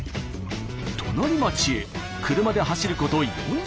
隣町へ車で走ること４０分。